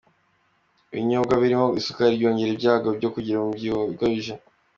Ibinyobwa birimo isukari byongera ibyago byo kugira umubyibuho ukabije